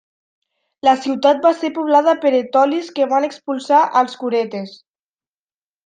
La ciutat va ser poblada per etolis que van expulsar als curetes.